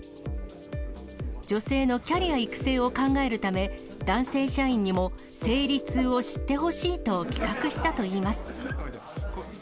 女性のキャリア育成を考えるため、男性社員にも、生理痛を知ってほしいと企画したといいます。